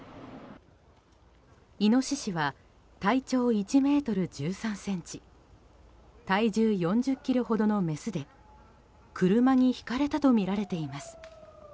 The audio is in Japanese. イノシシは体長１ｍ１３ｃｍ体重４０ｋｇほどのメスで車にひかれたとみられています。